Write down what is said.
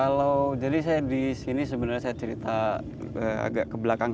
kalau jadi saya di sini sebenarnya saya cerita agak ke belakang